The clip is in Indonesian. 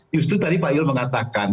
justru tadi pak yul mengatakan